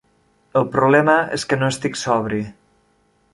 El problema és que no estic sobri.